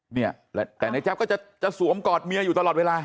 เนี่ยแต่ในแจ๊บก็จะสวมกอดเมียอยู่ตลอดเวลา